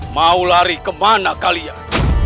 mau lari kemana kalian